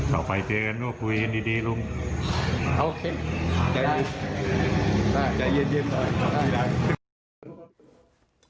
เราไปเจอกันพูดคุยดีลุงโอเคได้ใจเย็นได้